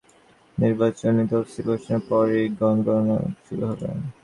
কিন্তু নির্বাচন কমিশনের দাবি, নির্বাচনী তফসিল ঘোষণার পরই ক্ষণগণনা শুরু হবে।